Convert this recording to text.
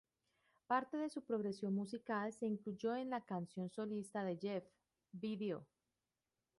Parte de su progresión musical se incluyó en la canción solista de Jeff "Video!